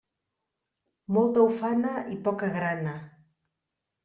Molta ufana i poca grana.